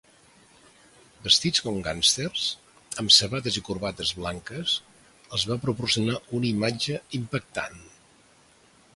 Vestits com gàngsters, amb sabates i corbates blanques, els va proporcionar una imatge impactant.